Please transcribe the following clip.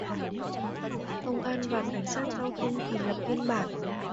Công an và cảnh sát giao thông thì Lập biên bản